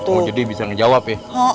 oh jadi bisa ngejawab ya